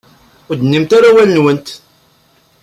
Ur d-tennimt ara awal-nwent.